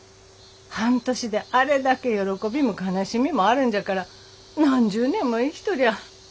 半年であれだけ喜びも悲しみもあるんじゃから何十年も生きとりゃあ